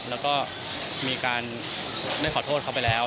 แล้วก็มีการได้ขอโทษเขาไปแล้ว